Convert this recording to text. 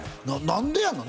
何でやの？